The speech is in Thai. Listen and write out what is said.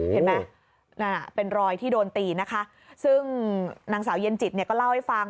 เห็นไหมนั่นเป็นรอยที่โดนตีนะคะซึ่งนางสาวเย็นจิตเนี่ยก็เล่าให้ฟัง